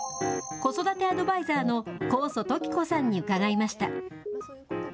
子育てアドバイザーの高祖常子さんに伺いました。